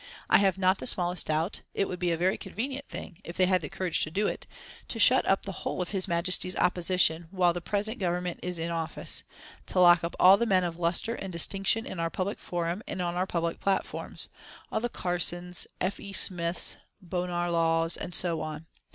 I have not the smallest doubt it would be a very convenient thing, if they had the courage to do it, to shut up the whole of His Majesty's Opposition while the present Government is in office to lock up all the men of lustre and distinction in our public forum and on our public platforms all the Carsons, F. E. Smiths, Bonar Laws, and so on.